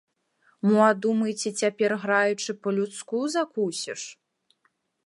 Мо а думаеце, цяпер, граючы, па-людску закусіш?!